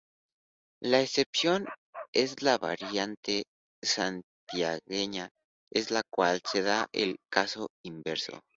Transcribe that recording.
La excepción es la variante santiagueña, en la cual se da el caso inverso.